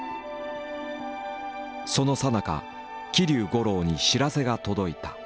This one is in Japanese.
そのさなか桐生五郎に知らせが届いた。